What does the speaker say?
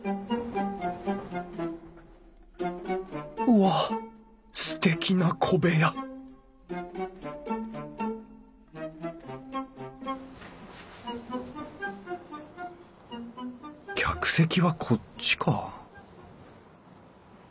うわっすてきな小部屋客席はこっちか？